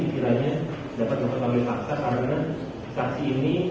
kiranya dapat kami paksa karena saksi ini